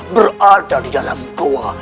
berada di dalam goa